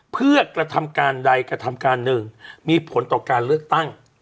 เพื่อกระทำการใดกระทำการหนึ่งมีผลต่อการเลือกตั้ง